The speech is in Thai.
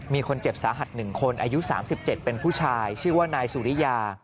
มีคนเจ็บสาหัส๑คนอายุ๓๗เป็นผู้ชายชื่อว่านายสุริยา